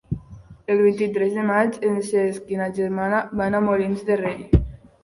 El vint-i-tres de maig en Cesc i na Gemma van a Molins de Rei.